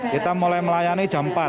kita mulai melayani jam empat